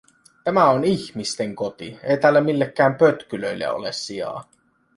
Tämä on ihmisten koti, ei täällä millekään pötkylöille ole sijaa.